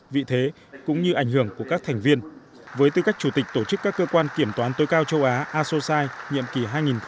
vị thế cũng như ảnh hưởng của các thành viên với tư cách chủ tịch tổ chức các cơ quan kiểm toán tối cao châu á asosai nhiệm kỳ hai nghìn một mươi tám hai nghìn hai mươi